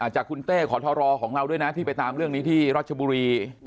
จากคุณเต้ขอทราบที่ไปตามเรื่องที่รัชบุรี